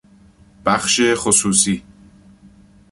بخش خصوصی